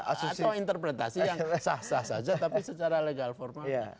atau interpretasi yang sah sah saja tapi secara legal formalnya